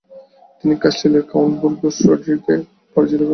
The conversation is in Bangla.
তিনি কাস্টিলের কাউন্ট বুরগোস রড্রিগোকে পরাজিত করেন।